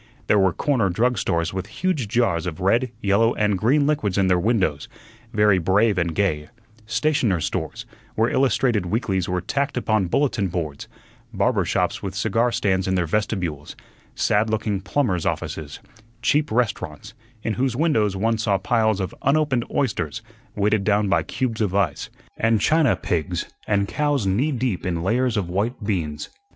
There were corner drug stores with huge jars of red, yellow, and green liquids in their windows, very brave and gay; stationers' stores, where illustrated weeklies were tacked upon bulletin boards; barber shops with cigar stands in their vestibules; sad looking plumbers' offices; cheap restaurants, in whose windows one saw piles of unopened oysters weighted down by cubes of ice, and china pigs and cows knee deep in layers of white beans.